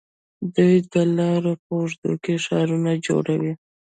دوی د لارو په اوږدو کې ښارونه جوړوي.